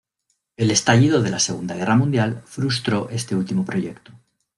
El estallido de la Segunda Guerra Mundial frustró este último proyecto.